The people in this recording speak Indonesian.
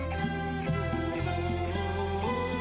tanahku yang dulu padam